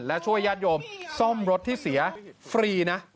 และช่วยญาติโยมซ่อมรถที่เสียฟรีนะ